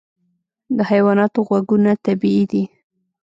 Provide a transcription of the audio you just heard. د حیواناتو غږونه طبیعي دي.